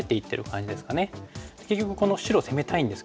結局この白を攻めたいんですけども。